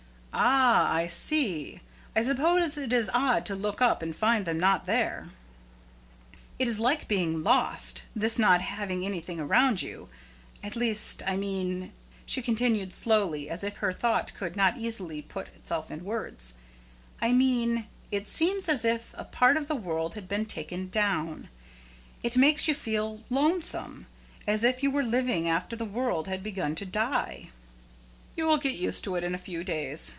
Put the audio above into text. "Ah, I see! I suppose it is odd to look up and find them not there." "It's like being lost, this not having anything around you. At least, I mean," she continued slowly, as if her thought could not easily put itself in words, "I mean it seems as if a part of the world had been taken down. It makes you feel lonesome, as if you were living after the world had begun to die." "You'll get used to it in a few days.